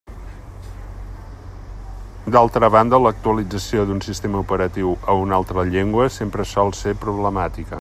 D'altra banda, l'actualització d'un sistema operatiu a una altra llengua sempre sol ser problemàtica.